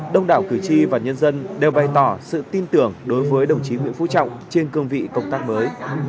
đông đảo cử tri và nhân dân đều bày tỏ sự tin tưởng đối với đồng chí nguyễn phú trọng trên cương vị công tác mới